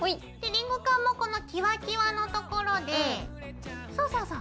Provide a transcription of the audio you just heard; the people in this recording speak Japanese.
リングカンもこのキワキワのところでそうそうそう。